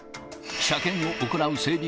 車検を行う整備